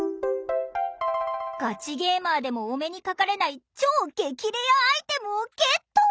ガチゲーマーでもお目にかかれない超激レアアイテムをゲット！